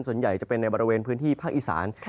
ส่วนใหญ่จะเป็นในบริเวณพื้นที่ภาคอีสาน